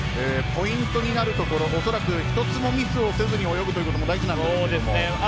ポイントになるところ、恐らく一つもミスをせずに泳ぐことも大事なんですけれども。